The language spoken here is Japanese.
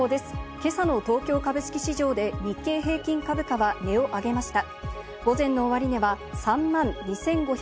今朝の東京株式市場で日経平均株価は値を上げました。